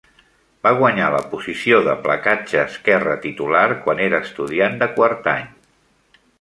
Va guanyar la posició de placatge esquerre titular quan era estudiant de quart any.